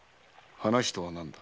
話とは何だ？